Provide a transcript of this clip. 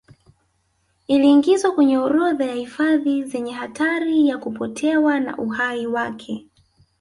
Iliingizwa kwenye orodha ya hifadhi zenye hatari ya kupotewa na uhai wake